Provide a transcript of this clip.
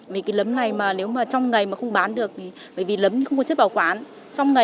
mấy cái lấm này trong ngày mà không bán được bởi vì lấm không có chất bảo quán